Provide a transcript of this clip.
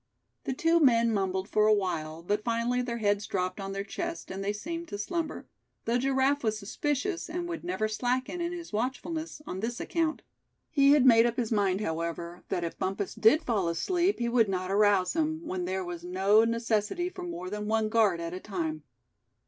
The two men mumbled for a while, but finally their heads dropped on their chest and they seemed to slumber, though Giraffe was suspicious, and would never slacken in his watchfulness on this account. He had made up his mind, however, that if Bumpus did fall asleep, he would not arouse him, when there was no necessity for more than one guard at a time.